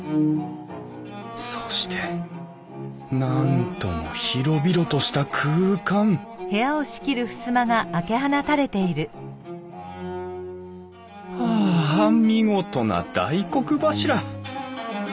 そして何とも広々とした空間はああ見事な大黒柱。